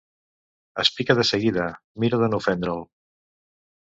Es pica de seguida, mira de no ofendre'l.